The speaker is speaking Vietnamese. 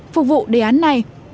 phục vụ đề án này